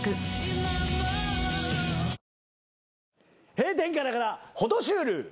閉店ガラガラホトシュール。